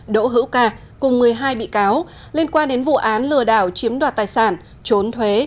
đỗ hữu ca cùng một mươi hai bị cáo liên quan đến vụ án lừa đảo chiếm đoạt tài sản trốn thuế